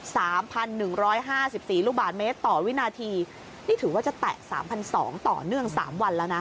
สามพันหนึ่งร้อยห้าสิบสี่ลูกบาทเมตรต่อวินาทีนี่ถือว่าจะแตะสามพันสองต่อเนื่องสามวันแล้วนะ